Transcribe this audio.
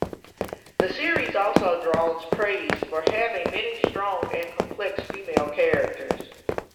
The series also draws praise for having many strong and complex female characters.